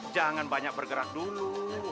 jangan banyak bergerak dulu